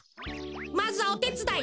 まずはおてつだい。